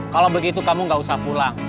kalau begitu kamu gak usah pulang